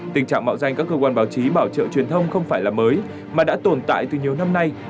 tình trạng mạo danh các cơ quan báo chí bảo trợ truyền thông không phải là mới mà đã tồn tại từ nhiều năm nay